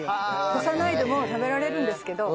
濾さないでも食べられるんですけど。